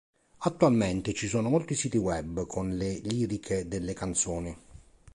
Attualmente, ci sono molti siti web con le liriche delle canzoni.